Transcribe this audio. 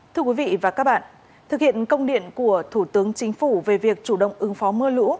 thưa quý vị và các bạn thực hiện công điện của thủ tướng chính phủ về việc chủ động ứng phó mưa lũ